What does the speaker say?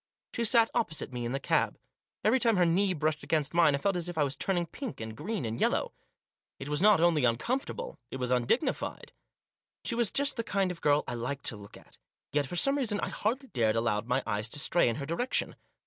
She sat opposite me in the cab. Every time her knee brushed against mine, I felt as if I was turning pink and green and yellow. It was not only uncomfortable, it was undignified. She was just the kind of girl I like to look at ; yet, for some reason, I hardly dared allow my eyes to stray in her direction.